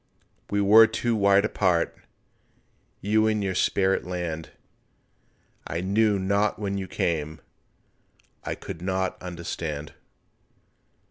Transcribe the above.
We were too wide apart— You in your spirit land— I knew not when you came, I could not understand.